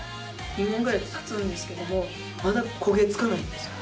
２年ぐらいたつんですけれども、まだ焦げ付かないんですよ。